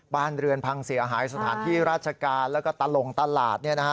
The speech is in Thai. บ้านเรือนพังเสียหายสถานที่ราชการแล้วก็ตลงตลาด